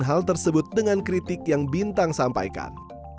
hal tersebut dengan kritik yang bintang sampaikan